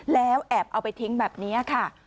แล้วแอบเอาไปทิ้งแบบนี้ค่ะ